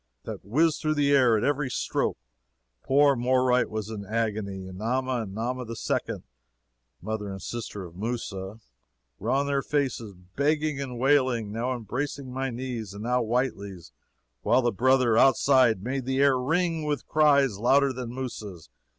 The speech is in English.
] that whizzed through the air at every stroke. Poor Moreright was in agony, and Nama and Nama the Second (mother and sister of Mousa,) were on their faces begging and wailing, now embracing my knees and now Whitely's, while the brother, outside, made the air ring with cries louder than Mousa's.